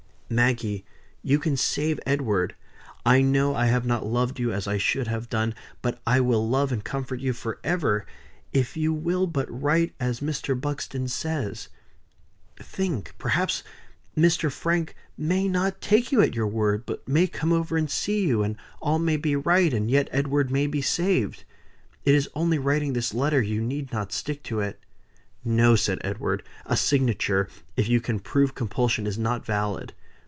"Maggie, you can save Edward. I know I have not loved you as I should have done; but I will love and comfort you forever, if you will but write as Mr. Buxton says. Think! Perhaps Mr. Frank may not take you at your word, but may come over and see you, and all may be right, and yet Edward may be saved. It is only writing this letter; you need not stick to it." "No!" said Edward. "A signature, if you can prove compulsion, is not valid.